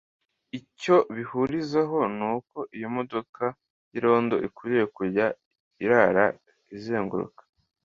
Icyo bahurizaho ni uko iyo modoka y’irondo ikwiye kujya irara izenguruka